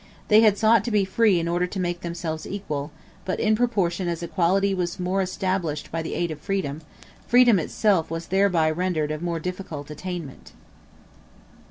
They had sought to be free in order to make themselves equal; but in proportion as equality was more established by the aid of freedom, freedom itself was thereby rendered of more difficult attainment.